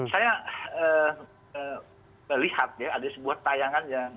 saya lihat ya ada sebuah tayangan yang